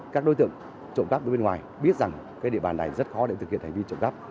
các đối tượng trộm cắp ở bên ngoài biết rằng địa bàn này rất khó để thực hiện hành vi trộm cắp